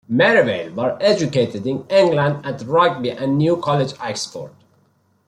Merivale was educated in England, at Rugby and New College, Oxford.